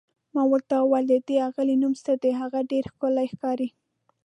ما ورته وویل: د دې اغلې نوم څه دی، هغه ډېره ښکلې ښکاري؟